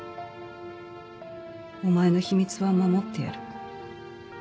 お前の秘密は守ってやる。